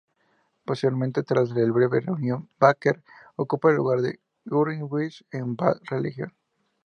Posteriormente, tras la breve reunión, Baker ocupa el lugar de Gurewitz en Bad Religion.